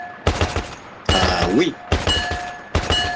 Ah oui!